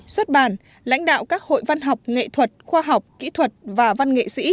xuất bản lãnh đạo các hội văn học nghệ thuật khoa học kỹ thuật và văn nghệ sĩ